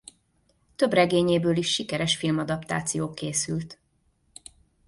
Több regényéből is sikeres filmadaptáció készült.